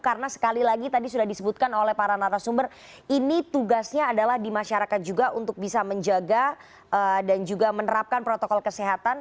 karena sekali lagi tadi sudah disebutkan oleh para narasumber ini tugasnya adalah di masyarakat juga untuk bisa menjaga dan juga menerapkan protokol kesehatan